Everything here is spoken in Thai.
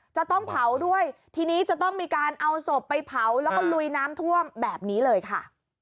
จะต้องเผาด้วยทีนี้จะต้องมีการเอาศพไปเผาแล้วก็ลุยน้ำท่วมแบบนี้เลยค่ะ